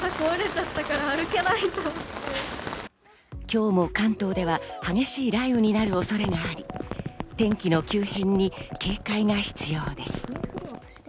今日も関東では激しい雷雨になる恐れがあり、天気の急変に警戒が必要です。